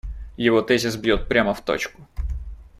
Его тезис бьет прямо в точку.